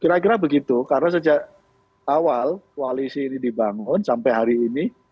kira kira begitu karena sejak awal koalisi ini dibangun sampai hari ini